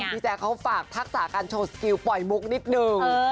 แจ๊คเขาฝากทักษะการโชว์สกิลปล่อยมุกนิดนึง